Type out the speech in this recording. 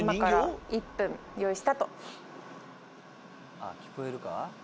あっ聞こえるか？